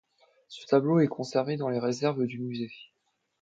Le tableau est conservé dans les réserves du musée.